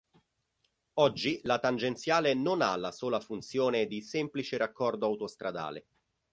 Oggi la tangenziale non ha la sola funzione di semplice raccordo autostradale.